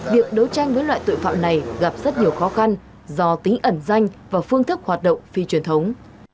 việc đấu tranh với loại tội phạm này gặp rất nhiều khó khăn do tính ẩn danh và phương thức hoạt động phi truyền thống